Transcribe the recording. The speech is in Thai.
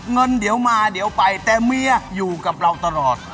เงินเดี๋ยวมาเดี๋ยวไปแต่เมียอยู่กับเราตลอด